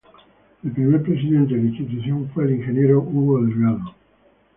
El primer presidente de la institución fue el Ing. Hugo Delgado.